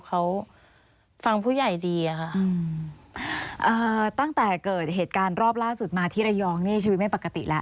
เขาฟังผู้ใหญ่ดีอะค่ะเอ่อตั้งแต่เกิดเหตุการณ์รอบล่าสุดมาที่ระยองนี่ชีวิตไม่ปกติแล้ว